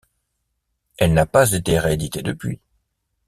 Elle n'a pas été rééditée depuis.